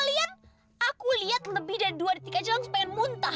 kalian aku liat lebih dari dua tiga jalan semuanya muntah